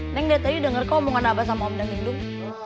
neng dari tadi udah denger ke omongan abah sama om deng dung